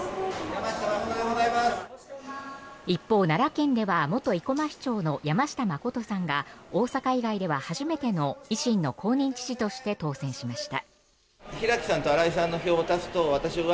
一方、奈良県では元生駒市長の山下真さんが大阪以外では初めての維新の公認知事として当選しました。